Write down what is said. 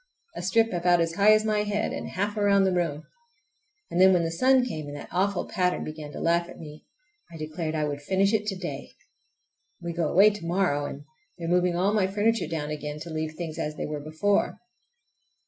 A strip about as high as my head and half around the room. And then when the sun came and that awful pattern began to laugh at me I declared I would finish it to day! We go away to morrow, and they are moving all my furniture down again to leave things as they were before.